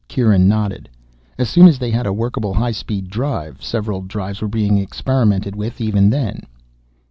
Kieran nodded. "As soon as they had a workable high speed drive. Several drives were being experimented with even then."